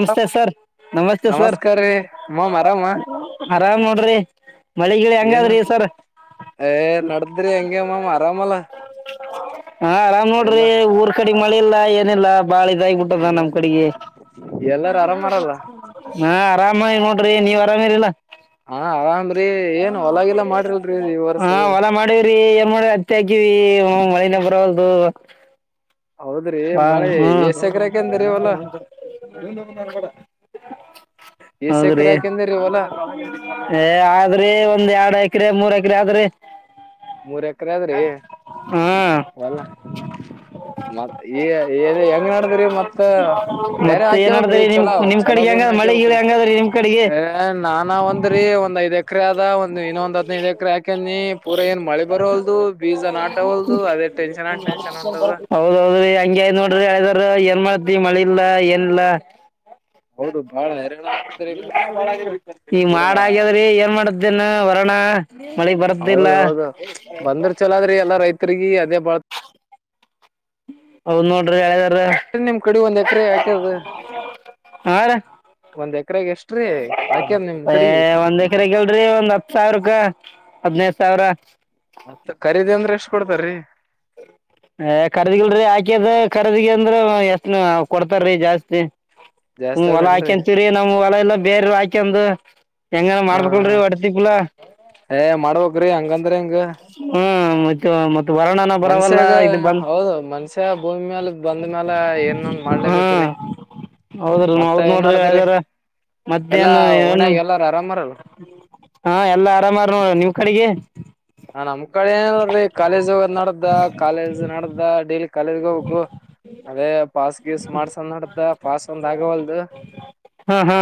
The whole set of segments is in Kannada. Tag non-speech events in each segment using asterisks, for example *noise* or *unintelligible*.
ಆರಾಮ್ ಸರ್ ನಮಸ್ತೆ ಸ ನಮಸ್ಕಾರ ರೀ ಮಾಮ್ ಆರಾಮ ಆರಾಮ್ ನೋಡ್ರಿ ರಿ ಏನ್ ಏ ನಡದ್ರಿ ಹೆಂಗಗೆ ಮಾಮ ಆರಾಮಲ್ಲ ಹಾ ಆರಾಮ್ ನೋಡ್ರಿ ಎಲ್ಲಾ ಊರ್ ಕಡೆ ಮಳೆ ಇಲ್ಲ ಏನಿಲ್ಲ ಬಾಳ ಇದಾಗಿಬಿಟ್ಟದ ನಮ್ ಹೌದಾ ಕಡೆಗೆ ಎಲ್ಲಾರ ಆರಾಮಾರಲ್ಲ ನಾ ಆರಾಮಾಗಿ ನೋಡ್ರಿ ನೀವ್ ಅರಾಮಿರ್ಲ್ಲ ಹ ಆರಾಮ್ರಿ ಹಾ ಹೊಲ ಮಾಡವ್ರಿ ಏನ್ ಮಾಡಿ ಅತ್ತಿ ಹಾಕಿವಿ ಮಳಿನಾಗ ಬರಲ್ ದು ಹೌದ್ರಿ ಹ ಮಳೆ ಹ್ಮ ಎಸ್ ಎಕರೆ ಹಾಕಂದ್ರಿ ಹೊಲ ನಿಂದ ನ ಕಡ ಎಸ್ ಎಕರೆ ಹೌದ್ರಿ ಹಾಕಂದಿರಿ ಹೊಲ ಆದ್ರಿ ಒಂದ್ ಎರಡು ಎಕರೆ ಮೂರಗಲಿ ಆದ್ರೆ ಮೂರ್ ಎಕರೆ ಅದ್ರಿ ಹ್ಮ್ ಒಲ್ಲ ಮತ್ ಈ ಹೆಂಗ್ ನಡದ್ರಿ ಮತ್ತ ಬೇರೆ ಮತ್ತೆ ಏನ್ ನಡ್ದ್ರಿ ಹಾಕೇಬ್ರೀ ನಿಮ್ ಚಲೋ ನಿಮ್ ಚಛಲೋ ಕಡೆಗೆ ಹೆಂಗ ಭೂಮಿ ಮಳಿ ಗಿಳಿ ಹಾಕೇಬೇಕ್ರೀ ಹೆಂಗದ್ರಿ ನಿಮ್ ಕಡೆಗೆ ಏ ನಾನ ಒಂದ್ರೀ ಒಂದ ಐದು ಎಕರೆ ಆದದ ಒಂದು ಇನ್ನೊ ಒಂದು ಹದಿನೈದು ಎಕರೆ ಹಾಕ ನೀ ಪೂರ ಏನ್ ಮಾಡಿ ಗಳಿ ಬರ್ ಹೊಲ್ದು ಬೀಜ ನ ಆಟ ಹೊಲ್ದು ಅದೇ ೆನ್ಷನ್ ಅನ್ಟೆನ್ಷನ್ ಉಂಟದ ಾರ ಏನ್ ಮಾಡತಿವಿ ಮಳಿ ಇಲ್ಲ ಏನ್ ಇಿಲ್ಲ ಹೌದು ಬಾಳ ಹೈರಾಣ ಆಗ್ತದ್ರಿ ಈ ಪೂರಾ ಮಾಡ ಆಗ್ಯದ್ರಿ ಏನ್ ಮಾಡತೇನ್ ವರ್ಣ ಹೌದೌದು ಬಂದ್ರ ಚಲ ಆದ್ರಿ ಎಲ್ಲಾ ರೈತರಿಗಿ ಅದೇ ಬತ್ತು ಹೌ್ ನೋಡ್ರಿ ಹೇಳದ ಒಂದ್ ಎಕರೆ ಹಾಕ್ಯದ ಯಾರ ಒಂದ್ ಎಕರೆಗೆ ಎಷ್ಟ್ರೀ ಹಾಕ್ಯದ ನಿಮ್ ಕಡಿ ಏ ಒಂದ್ ಎಕರೆಗಲ್ರಿ ಒಂದ್ ಹತ್ ಸಾವಿರಕ್ಕ *inaudible* ಹದ್ಿನೈದು ಸಾವಿರ *inaudible* ಮತ್ತ ಖರೀದಿ ಅಂದ್ರೆ ಎಷ್ಟ ಕೊಡ್ತಾರರಿ *inaudible* ರರ್ದಿಲ್ೀ ಆಾಕ್ಯದ ಖರದಗ ಅಂದ್ರ ಎಷ್ಟ ಕೊಡ್ತಾರೀ ಜಾಸ್ತಿ *inaudible* ಹ್ಮ ಜಾಸ್ತಿ ಹೊಲ ಅದನ್ರಿ ಹಾಕಂತೀವರಿೀ ನಮ್ ಹೊಲ ಎಲ್ಲ ಬೇರೆ ಹಾಕಂದು *inaudible* ಹೆಂಗಏನ್ ಹಾ ಮಾಡ್ಕಲ್ರಿ ಹಾ ಒಡ್ತಿ ಕೂಲ ಏ ಮಾಡವೋಗ್ರಿ ಹಂಗಂದ್ರ ಹಂಗ *inaudible* ಮತ್ತು ವರ್ಣನ ಬರವಲ್ಲ *inaudible* ಹೌದು ಮನ್ಷ್ಯ ಭೂಮಿ ಮ್ಯಾಲ ಬಂದ ಮ್ಯಾಲ ಏನ್ಂದ ಮಾಡ್ಲೇಬೇಕ್ರಿ *inaudible* ಹೌದ್ರೀೌದ್ ಮತ್ತ ಏನ್ ನೋಡ್ರಿ ನಡದ್ರಿ ಯ್ದಾರ *inaudible* ಎಲ್ಲಾ ಮತ್ತ್ಯಾನ್ ಏನ್ ಓಣ್ಯಾಗ ಎಲ್ಲಾರ ಆರಾಮರಲ್ಲ ಹಾ ಎಲ್ಲಾ ಆರಾಮಾರ ನಿವ್ ಕಡೆಗೆ *inaudible* ಹ ನಮ್ ಕಡೆ ಏ ನೋಡ್ರಿ ಕಾಲೇಜ್ೋಗ ನಡ್ದ ಕಾಲೇಜ್ ನಡ್ದ ಡಲ್ *inaudible* ಕಲರ್ಗಕ್ಕು *inaudible* ಅದೇ ಪಾಸ್ ಗೀಸ್ ಮಾಡ್ಸಂದ ನಡ್ದ ಪಾಸ್ ಒಂದ್ ಆಗವಲ್ದು *inaudible* ಹಾ ಹಾ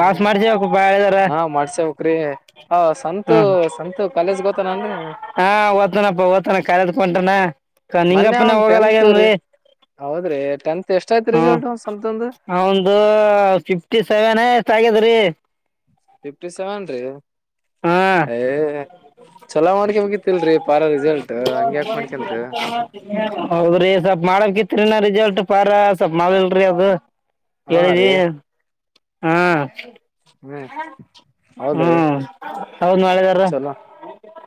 ಬಸ್ ಮಾರಜ ಬ *inaudible* ಹಾ ಮಾಡ್ಸವುಕ್ರಿ ಆ ಸಂತು ಹ್ಮ್ ಸಂತು ಕಾಲೇಜ್ ಗೋತ ನನ್ೀ *inaudible* ಹಾ ಓ್ತನಪ್ಪ ಓ್ತನ ಕಾಲದಕಟಾನ ಮೊನ್ನೆ ನಿಂಗಪ್ಪನ ಅವ್ನ್ ಟೆಂತ್ ರೀ ಹೋಗಲ್ಲಗೇನ್ರಿ *inaudible* ಹೌದ್ರಿ ಟೆಂತ್ ಎಷ್ಟ ಆಯ್ತ್ ರಿಸಲ್ಟ್ ಒ ಸ್ಂತ ಒಂದು್ *inaudible* ಒಂದು ಫಿಫ್ಟಿ ಸೆವೆನ್ಷ್ಟ್ಗದ್ರೀ *inaudible* ಫಿಫ್ಟಿ ಸೆವೆನ್ ರೀ ಹಾ ಯ ಚಲೋ ಮಾಡಕ ಹೋಗ *inaudible* ಹೌದ *inaudible* ರೀ ಸ್ವಪ್ ಮಾಡಕಿತ್ರಿ ನ ರಿಸಲ್ಟ್ ಪಾರ ಸ್ವಪ್ ಮಾಡಲಿಲ್ರರಿ ಅದು *inaudible* ಹಾ ಕಿದಿ ರೀ *inaudible* ಹ್ಮ್ ಹೌದ್ರೀ *inaudible* ಹ್ಮ್ ಹೌದ್ ಮಾಡಿದಾರ ಚಲೋ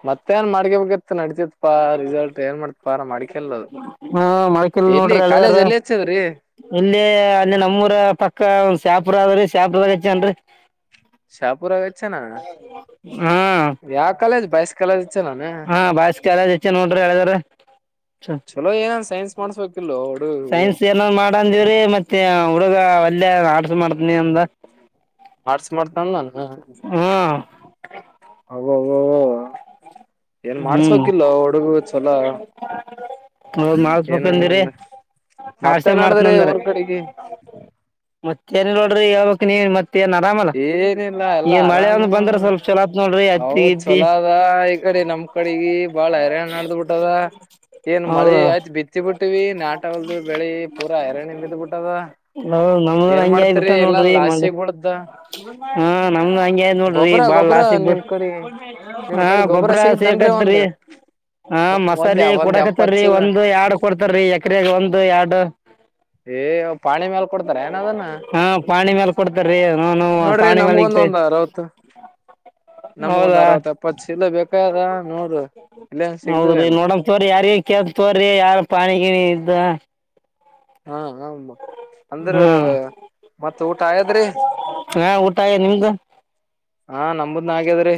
ಮತ್ತೆ ಏನ್ ಮಾಡಗ ಬ *inaudible* ನಡತತ್ ಪಾ ರಿಸಲ್ಟ್ ಏನ್ ಮಾಡ್ತಿಪಾ ನ ಮಾಡ್ಿಕಲ್ ಅದು ಹ್ಮ್ ಮೊಳಕಿಲ್ ಎಲ್ಲಿ ನೋಡ್ರಿ ಕಾಲೇಜ್ ಹೇಳಿದಾರ ಎಲ್ಲಿ ಇಚ್ಚಿದ್ರಿ *inaudible* ಅ *inaudible* ಇಲ್ಲಿ ಅಲ್ಲಿ ನಮ್ಮೂರ ಪಕ್ಕ ಒಂದ ಶ್ಯಾಪುರ ಆದ್ರೀ ಶಾಪು ಬಾಗ ಹೆಚ್ಚನ್ರಿ *inaudible* ಶಾಹಪುರಗಚ್ಚ ನ ಹಾ ಬಾಯ್ಸ್ ಕಾಲೇಜ್ ಹಚ್ಚನಾನ ಹಾ ಬಸ್ಕಲ್ಲ್ ಹೆಚ್ಚ ನೋಡ್ರಿ ಆಲಿಡೇರಾ ಚಲೋ ಏನನ್ ಸೈನ್ಸ್ ಮಾಡ್ಸ್ಬೇಕಿಲ್ಲೋ ಹುಡುಗರು ಸೈನ್ಸ್ ಏನ ಮಾಡ್ ಅಂದಿರಿ ಮತ್ತೆ ಹೂಡುಗ ಒಲ್ಲೆ ಆರ್ಟ್ಸ್ ಮಾಡ್ತೀನಿ ಅಂದ ಆರ್ಟ್ಸ್ ಮಾಡ್ತೀನಿ ಅಂದ ಏನ್ ಹ್ಮ್ ಹೌದ ಓ ಏನ್ ಮಾಡ್ಸ್ಬೇಕಿಲ್ಲ ಹುಡುಗು ಚಲೋ ಹೌದ ಮಾಡಿಸಬೇಕು ಏನೇನ ಅಂದೇ ರಿ ಒಂದ ಆರ್ಟ್ಸ್ ಮತ್ತೆ ಮಾಡ್ತೀನಿ ನಡದ್ರಿ ಅಂದ ರಿ ಊರ್ ಕಡೆಗಿ ಮತ್ತ ಏನ್ ಇಲ್ಲ ನೋಡ್ರಿ ಹೇಳ್ಬೇಕು ನೀ ಏನ್ ಆರಾಮಲ್ಲ ಏನಿಲ್ಲ ಈ ಎಲ್ಲಾ ಮಳೆ ಒಂದ ಆರಾಮು ಬಂದ್ರ ಸ್ವಲ್ಪ ಚಲೋತ್ ನೋಡ್ರಿ ಹತ್ತಿ ಗೀತಿ ಆಕಡೆ ನಮ್ ಕಡಿಗಿ ಬಾಳ ಹೈರಾಣ ನಡದ ಬಿಟ್ಟದ ಏನ್ ಮಳೆ ಹೌದು ಹತ್ತಿ ಬಿತ್ತಿ ಬಿಟ್ಟಿವಿ ನಾಟಡು ಬೆಳಿ ಪೂರ ಹೈರಾಣ ಬಿದ್ ಬಿಟ್ಟದ ಹ ನಮ್ದು ನು ಏನ್ ಹಂಗೆ ಆಗಿ ಬಿಟ್ಟ ಮಾಡ್ತರಿ ಎಲ್ಲಾ ನೋಡ್ರಿ ಮ- ಲಾಸಿಗ್ ಬಿಳದ ಹಾ ನಮ್ದ ಹಂಗೆ ನೋಡ್ರಿ ಗೊಬ್ಬ್ರ ಬಾಳ್ ಗೊಬ್ಬ್ರ ಲಾಸಗ ನಿಮ್ ಬಿತ್ತು ಕಡೆ ನಿಮ್ ಹಾ ಕಡೆ ಗೊಬ್ಬ ಗೊಬ್ಬರ ಬರ ಸಿಗತನ್ರಿ ಸಿಗಕತ್ರಿ ಒಂದ್ ಹ ಒಂದ್ ಮಸಾಲೀ ಒಂದ್ ಎಪ್ಪತ್ ಕುಡಕತ್ತಾರೀ ಚೀಲ ಒಂದು ಎರಡ್ ಕೊಡ್ತಾರ್ರೀ ಎಕ್ರಾಗ ಒಂದು ಎರಡು *inaudible* ಏ್ ಪಾಣಿ ಮ್ಯಾಲ ಕೊಡ್ತಾರ ಏನ ಅದನ್ನ ಹಾ ಪಾಣಿ ಮ್ಯಾಲ ಕೊಡ್ತಾರೀ ನ ಪಾಣಿ ಮ್ಯಾಲ ನಮ್ಗ ಒಂದ ಅರವತ್ತ ಎಪ್ಪತ್ತು ಚೀಲ ಬೇಕಾಗ್ಯದ ಹೌದ್ರಿ ನೋಡಂ ತೋರಿ ಯಾರಗ ಕೇಳ್ತೀನಿ ತೊಗೊರಿ ಯಾರ ಪಾನಿ ಗಿಣಿ ಇದ್ದ ಹಾ ಹಾ ಹ ಅಂದ್ರ ಹ್ಞೂ ಮತ್ತ ಊಟ ಆಗ್ಯಾದ್ರಿ ಹಾ ಊಟ ಆಗ್ಯದ ನಿಮ್ದು ಹಾ ನಮುದನಾಗ್ಯದ್ರಿ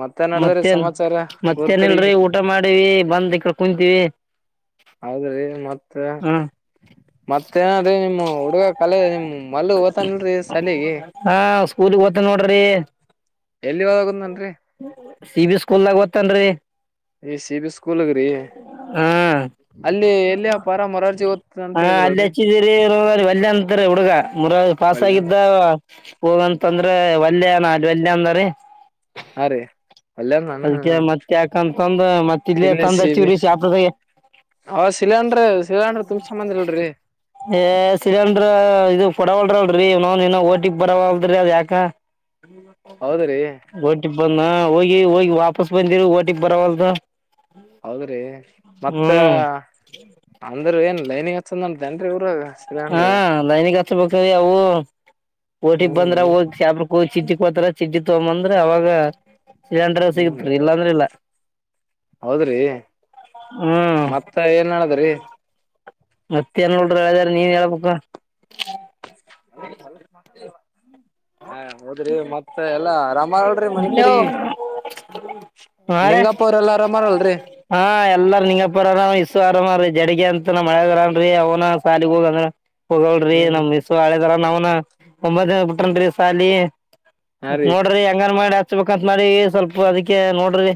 ಮತ್ತೆ ಏನ್ ನಾಡದಾದ್ರಿ ಮತ್ತೇನು ಸಮಾಚಾರ ಊರು ಕಡಿ ಮತ್ತೇನಿಲ್ಲ ರೀ ಊಟ ಮಾಡೀವಿ ಬಂದು ಈ ಕಡೆ ಕುಂತೀವಿ ಹೌದ್ರಿ ಮತ್ತ ಹಾಂ ಮತ್ತೇ ಏನ ರಿ ನಿಮ್ಮ ಹುಡುಗ ಕಾಲೇಜ್ ನಿಮ್ ಮಲ್ಲು ಹೋತನಲ್ರೀ ಸಾಲಿಗಿ ಸ್ಕೂಲ್ ಹೋತನ್ ನೋಡ್ರಿ ಎಲ್ಲಿ ಓದಾಗದನ್ರಿ ಸಿ ಬಿ ಸ್ಕೂಲ್ದಾಗ ಓದ್ತಾನ್ರಿ ಸಿ ಬಿ ಸ್ಕೂಲಗ ರೀ ಹಾ ಅಂತ ಅಲ್ಲಿ ಹೇಳಿದ್ರಲ್ರಿ ಹಚ್ಚಿದೀರಿ ಅಲ್ಲಿ ವಾಲೆ ಅಂತರಿ ಹುಡುಗ ಊರಾಗ ಪಾಸ್ ಒಲ್ಲ ಆಗಿದ್ದ ಹೋಗಂತಂದ್ರೆ ವಾಲೆ ಅಲ್ಲಿ ವಾಲೆ ಅಂಡಿದರಿ ಹಾ ರೀ ಅಲ್ಲೇನಾನ ಅದಕ್ಕೆ ಮತ್ತೆ ಯಾಕಂತ ತಂದು ಮತ್ತ ಇಲ್ಲಿ ತಂದ ಹಚಿವ ರಿ ಶಾಪುರ ದಾಗೆ ಅವ ಸಿಲಿಂಡ್ರ ಸಿಲಿಂಡ್ರ ತುಂಬಸಂಬಂದಿಲ್ರಿ ಸಿಲಿಂಡರ್ ಇದು ಕೊಡವಲ ಅಲ್ರೀ ಇನ್ನೊಂದ ಇನ್ನ ಓಟಿಗ್ ಬಡವಲ್ದ್ರಿ ಅದ ಯಾಕ ಹೌದ್ರಿ ಓ ಟಿ ಪಿ ಬಂದ ಹೋಗಿ ಹೋಗಿ ವಾಪಸ್ ಬಂದಿರು ಓ ಟಿ ಪಿ ಬರವಲ್ದು ಹೌದ್ರಿ ಮತ್ತ ಹ್ಮ್ ಅಂದ್ರ ಏನ್ ಲೈನಿಂಗ ಹಾಚಲ್ಲ ಅಂತ ಏನ್ರಿ ಇವರ ಹಾ ಲೈನಿಗೆ ಹಚ್ಬೆಕ್ ಯಾವು ಓಟಿಗೆ ಹ್ಮ್ ಬಂದ್ರೋಗ *unintelligible* ಹೋತರ ಚಿಡ್ಡಿ ತಗೊಂದ್ರೆ ಅವಾಗ ಸಿಲಿಂಡರ್ ಹ್ಮ್ ಸಿಗತ್ರಿ ಇಲ್ಲಾಂದ್ರೆ ಇಲ್ಲ *unintelligible* ಹೌದ್ರಿ ಹ್ಮ್ ಮತ್ತ ಏನ್ ನಾಡದ್ದುಡ್ರಿ ಮತ್ತೇನ್ ನೋಡ್ರಿ ಅಳಿಯದೇರಾ ನೀನ್ ಹೇಳ್ಬೇಕ ಒಳಕ್ ಒಳಕ್ ಮಾ ಹ ಹೋದ್ರಿ ಮತ್ತ ಎಲ್ಲಾ ಆರಾಮಾಗಲ್್ರಿ ಮನ್ ಕಡೆ ಹ ರಿ ಹಾ ಎಲ್ಲಾರ ನಿಂಗಪ್ಪರಾರ ಇಸು ಹರ ಜಡಗೆ ಅಂತ ನಮ್ಮ ಅಳಿಯ ಹಾನ ರಿ ಅವ್ನ ಸಾಲಿಗೆ ಹೋಗಂದ್ರ ಹೋಗಳೀ ಹ್ಮ್ ನಮ್ಮ್ಸು ಹಳೆದಾರ ನಾವ್ನಾ ಒಬತ್ನೆ ಬಿಟ್ಟನ್ ರಿ ಸಾಲಿ ಹಾ ರೀ ನೋಡ್ರಿ ಹೆಂಗರ ಮಾಡಿ ಹಚ್ ಹಚ್ ಬೇಕ್ ಅಂತ ಮಾಡಿವಿ ಸ್ವಲ್ಪ ಅದಕ್ಕೆ ನೋಡ್ರಿ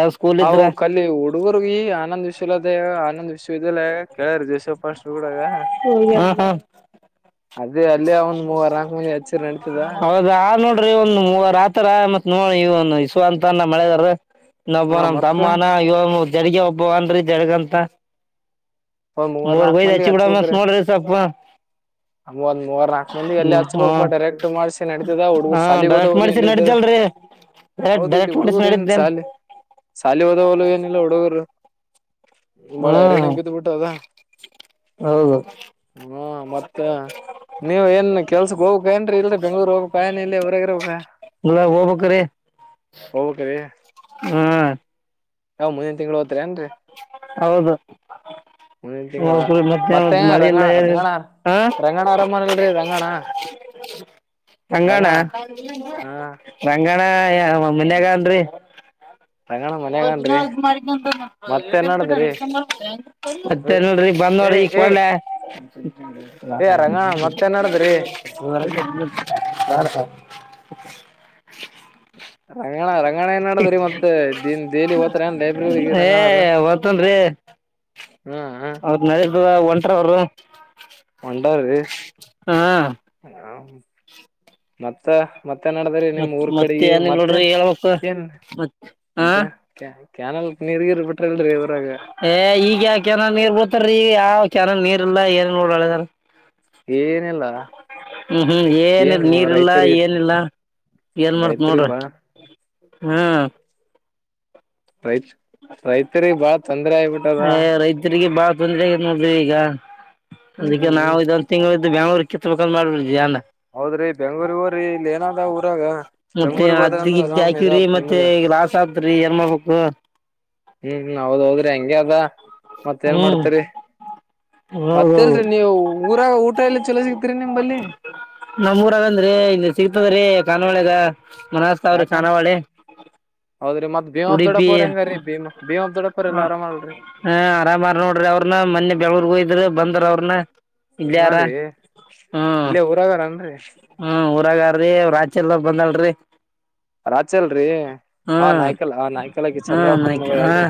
ಯಾವ ಸ್ಕೂಲ್ ಇದ್ರ ಹಾವು ಕಲ್ಲಿ ಹುಡುಗರಿಗ ಆನಂದ್ ವಿಶ್ವ ವಿದ್ಯಾಲಯ ಆನಂದ್ ವಿಶ್ವ ಲ್ಲ ಕೇಳಾರ ಜೈ ಫಸ್ಟ್ ರೋಡಾಗ್ ಅಲ್ಲಿ ಹೌದಾ ನೋಡ್ರಿ ಒಂದು ಮೂವರ ಆತರ ಮತ್ತ್ ನೋಡಿ ಇವನ *unintelligible* ಅಂತಾನ ಅಳೆಯದೇರು ನ ಹಾ ನಮ್ ಮತ್ತ ತಮ್ಮನ ಇವ ಜಡಗ ಒಬ್ಬ ಅಂದ್ರೀ ಜಡಗಂತ ಒಂದ್ ಮೂವರ್ ಮೂರ್ ನಾಲ್ಕ್ ಬಯದ್ ಮಂದಿ ಹಚ್ಚಿ ಬಿಡ ಮತ್ ನೋಡ್ರಿ ಸವಪ್ಪ ಅ ಒಂದ ಮೂವರ್ ನಾಲ್ಕು ಮಂದಿ ಎಲ್ಲಲ್ಲಿ ಹ್ಮ್ ಹಾ ಹಚ್ಬಬೇಕಕ್ಪ್ಪಾ ಡರೆಕ್ಟ್ ಮಾಡ್ಸಿ ನಡತಿದ ಹಾ ಹುಡುಗರ್ ಸಾಲಿಗೆ ಡೈರೆಕ್ಟ್ ಹೋದವ ಮಾಡಿಸಿ ಎಲ್ಲಿದ್ರು ನಡಿತಲ್ರಿ ಡೈರೆಕ್ಟ್ ಹೌದು ಇಲ್ಲಿ ಡೈರೆಕ್ಟ್ ಮಾಡಿಸಿ ಹುಡುಗರು ಏನ್ ನಡಿದ್ದೇನ್ ಶಾಲಿ ಶಾಲಿ ಹೋದವಲ ಏನಿಲ್ಲ ಹುಡುಗರು ಬಾಳ ಹ್ಮ್ ಹರಿಣ್ಯ ಕತ್ತು ಬಿಿಟ್ಟು ಅದ ಹೌದು ಹ ಮತ್ತ ಮತ್ತ ನೀವ್ ಏನ್ ಕೆಲ್ಸಕ್ ಹೋಗಬೇಕಾಯನ್ರಿ ಇಲ್ರಿೀ ಬೆಂಗ್ೂರ್ ಹೋಗು ಕಾಯನ ಇಲ್ಲಿ ಇ ಅವ್ರಗರ ಇಲ್ಲ ಹೋಗ್ಬೇಕ್ರೀ ಹಾ ನಾವ ಮುಂದಿನ ತಿಂಗ್ಳ ಹೋದ್ರರಿ ಏನ್ರಿ ಹೌದು ಮುಂದಿನ ಹೋಗ್ರಿ ಮತ್ತೆ ತಿಂಗಳುಮತ್ತೆ ಮಳಿ ಇಲ್ಲ ರಂಗನಾ ಏನಿಲ್ಲ ರಂಗನಾಾರ್ ಹಾ ರಂಗಣ ಆರಾಮನಲ್ರರಿ ರಂಗಣ ರಂಗಣ ಹಾ ರಂಗಣ ಮನ್ಯಾಗ ಅನ್ರಿ ರಂಗಣ ಮನ್ಯಾಗನ್ರಿ ಮತ್ತೇನ್ ನಡದ್ರಿ ಮತ್ತೋಡಿ ಬಂದ್ ನೋಡ ಏ ಏ ಇಲ್ಲ ಏ ರಂಗಣ ಮತ್ತೇನ್ ನಡದ್ರಿ ಬೇಡ ಸಬ್ ರಂಗಣ ರಂಗಣ ಏನ್ ನಡದ್ರಿ ಮತ್ತ ದಿನ್ ಡೇಲಿ ಓತಾರ ಏನ್ ಲೈಬ್ರರಿಗೆ ರಂಗಣಾರ ಏ ಒತನ್ ರೀ ಹ್ಮ ಹ ಅವದ ನಡ ಒಂಟ್ರ ಅವರು ಹಾ ಹ ಮತ್ತ ಮತ್ತೆ ನಡದ್ರ ನಿಮ್ ಮತ್ ಊರ್ ಮತ್ತೆ ಕಡೆಗೆ ಏನಿಲ್ಲ ನೋಡ್ರಿ ಮತ್ತೆನ್ ಹೇಳ್ಬೇಕು ಏನ್ ಮತ್ ಹಾ ಮತ್ತೆ ಕ್ಯಾನಲ್ ನಿರ್ಗಿರು ಏ ಈಗ ಯಾವ ಕ್ಯಾನ್ಸಲ್ ನೀರ್ ಬೊತ್ತಾರೀ ಈಗ ಯಾವ ಕೆನಾಲ್ ನೀರ್ ಇಲ್ಲ ಏನ್ ನೋಡದಾರ ಏನಿಲ್ಲ ಹೂ ಹೂ ಏನಿಲ್ಲ ಏನ್ ನೀರ್ಲ್ಲಾ ರೈತರಿಗ್ ಏನಿಲ್ಲಾ ಏನ್ ಮಾಡ್ತ್ ರೈತರಿಗ್ ನೋಡ್ರಿ ಬಾಳ ಹೂ ರೈತ್ ರೈತರಿಗೆ ಬಾಳ ತೊಂದರೆ ಆಗಬಿಟ್ಟು ಏ ರೈತರಿಗೆ ಬಾಳ ತೊಂದರೆ ಆಗ ನೋಡವಿ ಈಗ ಹ್ಮ್ ಅದಕ್ಕೆ ಹ್ಮ್ ನಾವು ಇದೊಂದ ತಿಂಗಳ ಬ ಬೆಂಳೂರ್ ಕೆತ್ತತ್ಬೇಕಂದ್ ಮಾಡ್ಬಿಏಾ ಹೌದ್ರಿ ಬೆಂಗ್ಳೂರ್ಗಊ್ರಿ ಇಲ್ಲಿ ಏನಾದ ಊರಾಗ ಮತ್ತೆ ಬೆಂಗ್ಳೂರಿಗ್ ಹೋದ್ರ ಹತ್ತಿ ಅಂದ್ರ ಗುತ್ತಿ ಆರಾಮ್ ಇದ ಹಾಕಿವ್ರಿ ಮತ್ತೆ ನಿಮ್ಗ ಈ ಲಾಸ್ ಆತ್್ರರಿ ಏನ್ ಮಾಡ್ಬೇಕು ಹೂ ಹೌದ್ ಹೋದ್ರಿ ಹೆಂಗಗೆ ಅದ ಮತ್ತ ಏನ್ ಹ್ಮ್ ಮಾಡ್ತರಿ ಹೌದೌದು ಮತ್ತೇಲ್ರಿ ನೀವು ಊರಾಗ ಊಟ ಎಲ್ಲ ಚಲೋ ಸಿಗತ್ರಿ ನಿಮ್ ಬಲ್ಲಿ ನ ಮೂೂರ ಅದೇನ್್ರೀ ಇಿಂದ ಸಿಗ್ತದ್ರೀ ಕಾನನ್ವಾಳಗ ಮನಸ್ತಾವ್ರಿ ಯಾಕನ್ ಚಾನಾವಳಿ ಭೀಮಾಬ್ ದೊಡೋರ್ ಹೆಂಗ ರೀ ಭೀಮ ಭೀಮಾಬ್ ದೊಡೋರ್ ಎಲ್ಲ ಆರಾಮ ಅಲ್ರರಿ ಹ ಆರಾಮಾರ ನೋಡ್ರಿ ಅವ್ರನ ಮೊನ್ನೆ ಬೆಳೂರ್ಗ್ ಹೋದ್ರ ಬಂದ್ರ ಅವ್ರನ ಇಲ್ಲಿ ಹಾ ಯಾರ ರೀ ಹೂ ಇಲ್ಲೇ ಊರಾಗರನ್ರಿ ಹೂ ಊರಾಗಾರ್ರಿ ರಾಚಲ್ ಬಂದಲ್ರಿ ರಾಜಾಚಲ್ ಅಲ್ರಿ ಹ ನಾಯ್ಕಲ್ ಆ ನಾಯ್ಕಲ್ಗಿ ಹಾ ನ ಚಂದ್ರಖನ್ ಮ ಹಾ ಹೇಳ್ರಿ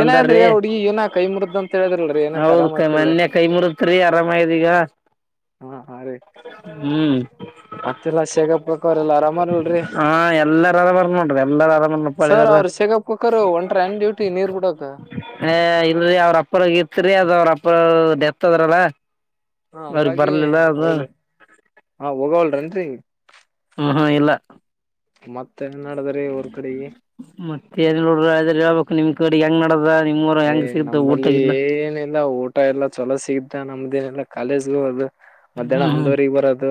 ಏನಂದ್ರಿ ಹುಡುಗಿ ಏನ ಕೈ ಮುರಿದ್ ಅಂತ ಹೇಳಿದ್ರಲ್ರಿ ಏನಂತ ಹೌದ ಆರಾಮ ಕೈ ಐತಿಲ್ಲ ಮೊನ್ನೆ ಕೈ ಮುರಿದಿತ್ತು ಆರಾಮಯದ ಈಗ ಹಾ ಹಾ ರೀ ಹ್ಮ್ ಮತ್ತೆಲ್ಲಾ ಶೇಗಪ್ಪ ಕಕ್ಕ ಅವರೆೆಲ್ಲಾ ಅರಾಮಾರಲ್ರಿ ಹಾ ಎಲ್ಲಾರರಾಮಾರ ನೋಡ್ರಿ ಎಲ್ಲಾರ ಸರ್ ಆರಾಮನ್ಳಿದಾರ ಅವ್ರ *inaudible* ಶೇಗಪ್ ಕಾಕರು ಒಂಟ್ರ ಏನ್ ಡ್ಯೂಟಿ ನೀರ್ ಬಿಡಕ ಹಏ ಇಲ್ರರಿ ಅವ್ರಪ್ಪರಗ ಇತ್ರಿ ಅದ ಅವ್ರಪ್ಪರ ಡೆತ್ ಅದ್ರಲ್ಲ ಹಾ ಅವ್ರಿಗೆ ಹಂಗಾಗಿ ಬರಲಿಲ್ಲ ಅದು ಹೋಗ್ಲಿ ಹಾ ಹೋಗವಲ್ರನ್ರಿ ಹಾ ಇಲ್ಲ ಮತ್ತೆ ಏನ್ ನಡದ್ರಿ ಊರ್ ಕಡೆಗೆ ಮತ್ತೆ ನ್ ನೋಡ್ರ ಹೇಳ್ಬೇಕು ನಿಮ್ ಕಡೆ ಹೆಂಗ್ ನಡದ ನಿಮ್ರ ಹೆಂಗ್ ಯ್ ಸಿಗ್ತ ನಂಬಲ್ಲಿ ಊಟಗಿಲ್ಲ ಏನಿಲ್ಲ ಊಟ ಎಲ್ಲಾ ಚಲೋ ಸಿಗತ ನಮ್ದು ಲ್ಲ ಕಾಲೇಜ್ ಹೋದು ಮಧ್ಯಾಹ್ನ ಹ್ಮ್ ಹ್ಮ್ ಒಂದವರೆಗ ಬರದು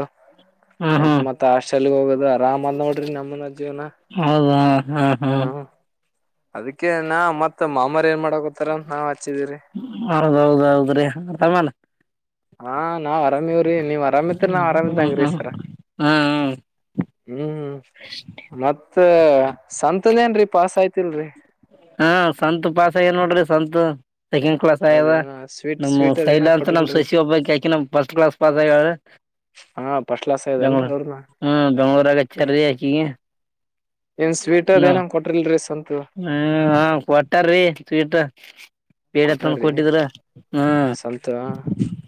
ಹ್ಮ್ ಆಯ್ತ್ ಹ್ಮ್ ಮತ್ ಹಾಸ್ಟೆಲ್ ಹೋಗೋದು ಆರಾಮದ್ ನೋಡ್ರಿ ನಮ್ಮನ ಜೀವನ *inaudible* ಹ್ಮ ಹಾ *inaudible* ಹ್ಮ್ ಅದಕ್ಕೆ ನಾ ಮತ್ತ ಮಾಮರಿ ಏನ್ ಮಾಡಕತಾರ ಅಂತ ನಾವ್ ಹಚ್ಚಿದೀರಿ *inaudible* ಹೌದೌದ್ೌದ್ರಿ ಆರಾಮಲ್ಲ *inaudible* ಹಾ ನಾವ್ ಆರಾಮವ್ರಿ ನೀವ್ ಆರಾಮತ್ರಿ ಹ್ಮ್ ನಾವ್ ಹ್ಮ್ ಆರಾಮ್ದಂಗ್ರೀ ಹ್ಮ್ ಸರ *inaudible* ಹ್ಮ್ ಹ್ಮ್ ಹ್ಮ್ ಮತ್ತ ಸಂತನೇನ್ರೀ ಪಾಸ್ ಆಯ್ತಿಲ್ರಿ *inaudible* ಹಾ ಸಂತ ಪಾಸ ಏ ನೋಡ್ರಿ ಸಂತ *inaudible* ಸೆಕೆಂಡ್ ಕ್ಲಾಸ್ ಆಗ್ಯದ ಹೌದೇನ ಸ್ವೀಟ್ ನಮ್ಮ್ ಸ್ವೀಟ್ ಸೈಲ ಅದೇನ ಅಂತ ನಮ್ ಕೊಟ್ರಿಲ್ರಿ ಸಸಿ ಒಬ್ಬ ಯಾಕಿ ನಮ ಫಸ್ಟ್ ಕ್ಲಾಸ್ ಪಾಸ್ ಆಗ್ಯ *inaudible* ಹಾ ಫಸ್ಟ್ ಕ್ಲಾಸ್ ಆಗ್ಯದೇನ್ರಿ ಬೆಂಗ್ಳೋ ಅವ್ರನ ಹಾ ಬೆಂಗ್ಳೋರು ಆಗ ಚ್ರ *inaudible* ಏನ್ ಸ್ವೀಟ್ದ್ ಏನಂಗ ಕೊಟ್ಟಿಲ್ರರಿ ಸ್ಂತ *inaudible* ಹ್ಮ ಹ ಕ್ವಾಟರ್ ರೀಟ *inaudible* ಬೇಡಪ್ಪನ್ ಕೊಟ್ಟಾರಿ ಕೊಟ್ಟಿದ್ರ ಹ್ಮ ಸಂತು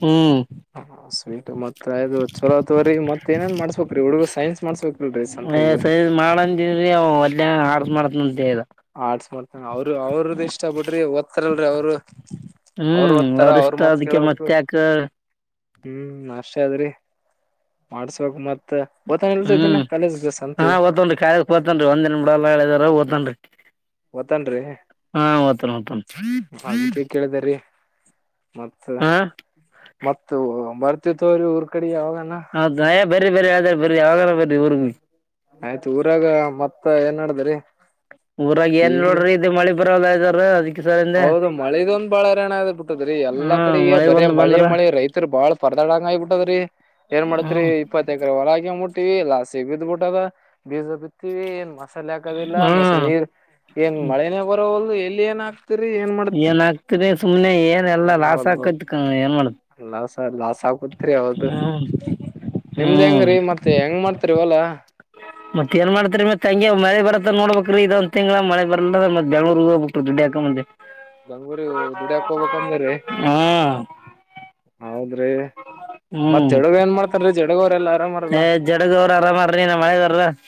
ಹ್ಮ್ *inaudible* ಹ ಸ್ವೀಟ್ ಮತ್ತೆ ಅ್ ಚಲೋ ಅತ್ವ್ರೀ ಮತ್ತೇಏನೇನ್ ಮಾಡಸ್ಬೇಕ್ರೀಿ ಹುಡುಗು ಸೈನ್ಸ್ ಮಾಡಸ್ಬೇಕಿಲ್ರರಿ ಸಂತ ಏ *inaudible* ಸರಿ ಮಾಡಂತನ್್ರೀ ಅವ ಒಲ್ಲೆ ಆರ್ಸ್ ಮಾಡತ ಅಂತ *inaudible* ಆಟ್ಸ್ ಮಾಡ್ತಂಗ ಅವರು ಅವ್ರದ ಇಷ್ಟ ಬಿಡ್ರಿ ಒದ್ತಾರಲ್ರರಿ ಅವ್ರು *inaudible* ಅವರು ಹ್ಮ್ ಓದ್ತಾರ ಅವ್ರ ಅವ್ರಿಷ್ಟ ಮತ್ ಅದಕ್ಕೆ ಕೇಳ್ಬೇಕಕ್ು ಮತ್ತೆ ಯಾಕ *inaudible* ಹ್ಮ್ ಅಷ್ಟೆ ಅದ್ರಿ ಮಾಡ್ಸ್ಬೇಕಕ್ ಮತ್ *inaudible* ಓತಾನ ಇಲ್ರಿ ದಿನ ಹ್ಮ್ ಕಾಲೇಜ್ಗ ಹಾ ಸಂತು ್ನ್ಿ ಕಾಯಕ್ ಬತನ್ರಿ ಒಂದ್ಿನ ಬಿಡಲ್ಲ ಹೇಳಿದಾರ ಓ್ತನ್ಿ ಓತಾನ್ರಿ *inaudible* ಹಾ ಮತ ಮತ *inaudible* ಮತ್ತ ಮ ಬರ್ತಿ ತೋ್ರಿ ಊರ್ ಕಡೆ ಯಾವಾಗ *inaudible* ಹೌದು ನಯ ಬರಿ ಬರರಿ ಆದ ಬರರಿ ಯಾವಾಗ ಬರ *inaudible* ಆಯ್ತು ಊರಾಗ ಮತ್ತ ಏನ್ ಮಾಡಡದ್ರೀ ಊರಾಗ ಏನ್ ನೋಡ್ರಿ ಇ ಮಳಿ ಬರದ ಇದಾರ ಅದಕ್ಕೆ ಸರಿಂದ ಹೌದು ಮಳದೊಂದ್ ಬಾಳ ಹಾಣ್ ಬಿಟ್ಟದ್ರೀ ಎಲ್ಲ ಕಡೆ ಹ್ಮ್ ಈ ಬರೇ ಬಂದ್ ಮಳಿ ಬಂದ್ರ ಮಳೆ ರೈತರು ಬಾಳ್ ಪರದಾಡ್ ಒಳಂಗ ಆಗಿಬ ಬಿಟ್ಟದ್ರರಿ ಏನ್ ಮಾಡತ್ರಿ ಹ್ಮ್ ಇಪ್ಪತ್ತ ಎಕರೆ ಹೊಳಗ ಮುಟ್ಟ ಹತ್ತಿ ಲಾಸಿಗೆ ಬಿದಬಿಟದ ಬೀಜ ಬಿತಿವಿ ಏನ್ ಮಸಾಲೆ ಹಾಕ್. ಆದಿಲ್ಲ ಮಸ್ ಹ್ಮ್ ನೀರ್ ಏನ್ ಮಳೆನೇ ಬರೋಲ್ ಎಲ್ಲಿ ಏನ್ ಆಕ್ತ. ಏನ್ ಹಾಕ್ತರಿ ಸುಮ್ನೆ ಏನ್ ಎಲ್ಲಾ ಲಾಸ್ ಹಾಕತ್ ಏನ್ ಮಾಡತ್ ಸ ಲಾಸ್ ಆಗ್ಗುತ್ರಿ ಹೌದು ನಿಮ್ದ್ ಹೆಂಗ್ರೀ ಮತ್ತೆ ಹೆಂಗ್ ಮಾಡ್ತರಿ ಇವೆಲ್ಲಾ. ಹ ಮತ್ತ ನ್ ಮಾಡತಾರೀ ಮತ್ತ ತಂಗ ಮಳ ಬತ್ತ ನೋಡ್ಬೇಕಕ್ೀ ಇದಂದ ತಿಂಗಗಳ ಮಳ ಬರ್ಲ್ಲ ಅ ಮತ್ತತ್ ಬೆಂಗಳೂರಿಗೆಗ್ ಹೋಗ್ಬೇಕು ದುಡ್ ಹಾಕ ಮಂದೆ ಬೆಂಗ್ಳೂರಿಗ್ ದುಡ್ಯಾಕ್ ಹೋಗ್ಬೇಕಂದಿರಿ *unintelligible* ಹ್. *unintelligible* ಹ್ಮ್ ಜಡಗ ಏನ್ ಮಾಡ್ತಾರ್ರಿ ಜಡಗ ಅವ್ರೆಲ್ಲಾ ಆರಾಮರಲ್ಲ ಏ ಜಡಗ ಅವ್ರ ಆರಾಮಾರ್ರಿ *unintelligible*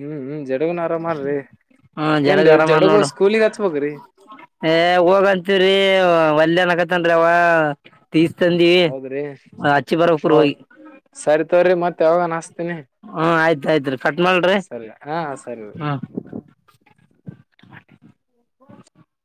ಹ್ಮ್ ಹ್ಮ ಜಡಗುನ ಆರಾಮ್ ಮಾಡ್ರಿ ಹ್ಮ್ ಏನ್ ಜಡಗ ಆರಾಮ ಜಡಗು ನೋಡ್ರಿ ಸ್ಕೂಲಿಗ್ ಹಚ್ಬೋಗ್ರಿ ಏ ಹೋಗಂತೀವ್ರಿ ಒಲ್ಯ ಅನ್ನಕತ್ತನ್ರಿ ಅವ. ತೀಸ್ ತಂದಿವಿ ಹೌದ್ರಿ ಅಚ್ಚಿ ಬರಬೇಕ್ ರಿ ಹೌದ್ ಹೋಗಿ. ಸರಿ ತೋರಿ ಮತ್ ಯಾವಾಗ ಹಸ್ತೀನಿ ಹಾ ಆಯ್ತ ಆಯ್ತ್ರಿ ಕಟ್ ಮಾಡ್ಲರಿ. ಸರಿ ಹಾ ಸರಿ. ಹ್ಮ್ಮ್. *unintelligible*